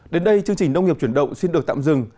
đến đây chương trình nông nghiệp chuyển động xin được tạm dừng